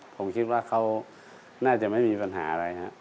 ผมคิดว่าเขาน่าจะไม่มีปัญหาอะไรครับ